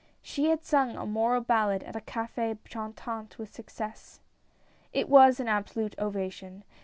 She had sung a moral ballad at a Cafe Chantant with success ! It was an absolute ovation.